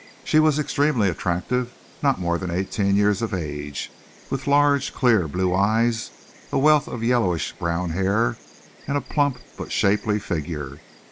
She was extremely attractive, not more than eighteen years of age, with large, clear, blue eyes, a wealth of yellowish brown hair and a plump but shapely figure.